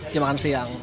jadi makan siang